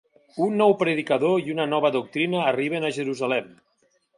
Un nou predicador i una nova doctrina arriben a Jerusalem.